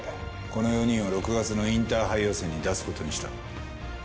この４人を６月のインターハイ予選に出す事にした。